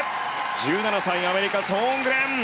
１７歳、アメリカソーングレン。